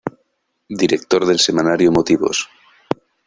Director del semanario Motivos.